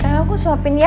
sayang aku suapin ya